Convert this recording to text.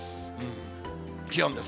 気温です。